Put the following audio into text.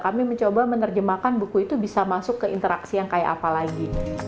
kami mencoba menerjemahkan buku itu bisa masuk ke interaksi yang kayak apa lagi